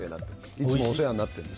いつもお世話になっています。